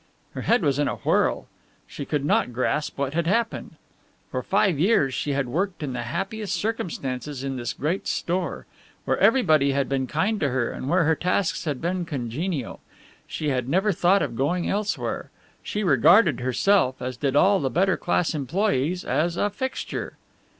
Her head was in a whirl. She could not grasp what had happened. For five years she had worked in the happiest circumstances in this great store, where everybody had been kind to her and where her tasks had been congenial. She had never thought of going elsewhere. She regarded herself, as did all the better class employees, as a fixture.